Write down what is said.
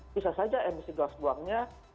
bisa saja emisi gas buangnya